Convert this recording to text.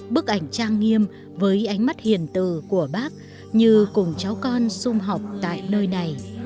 bức ảnh trang nghiêm với ánh mắt hiền từ của bác như cùng cháu con xung học tại nơi này